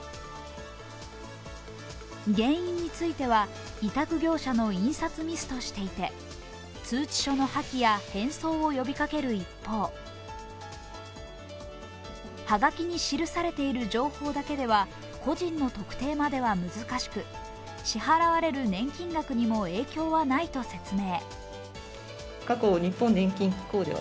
原因については委託業者の印刷ミスとしていて通知書の破棄や返送を呼びかける一方、はがきに記されている情報だけでは個人の特定までは難しく支払われる年金額にも影響はないと説明。